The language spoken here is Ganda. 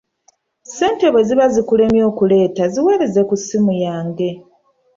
Ssente bwe ziba zikulemye okuleeta ziweereze ku ssimu yange.